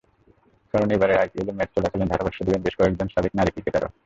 কারণ এবার আইপিএলে ম্যাচ চলাকালীন ধারাভাষ্য দেবেন বেশ কজন সাবেক নারী ক্রিকেটাররাও।